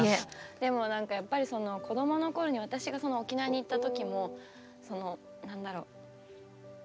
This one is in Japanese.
でも何かやっぱり子供の頃に私がその沖縄に行った時も何だろう？